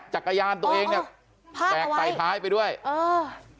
จักรยานตัวเองเนี้ยแบกใส่ท้ายไปด้วยเออ